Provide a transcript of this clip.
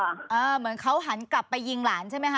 เหมือนเขาหันกลับไปยิงหลานใช่ไหมคะ